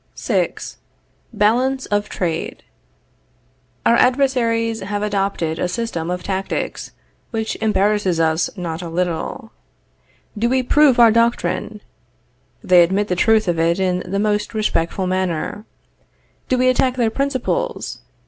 VI. BALANCE OF TRADE. Our adversaries have adopted a system of tactics, which embarrasses us not a little. Do we prove our doctrine? They admit the truth of it in the most respectful manner. Do we attack their principles?